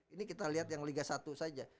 ini kita lihat yang liga satu saja